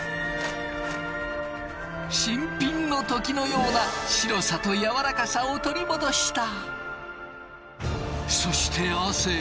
新品の時のような白さとやわらかさを取り戻した。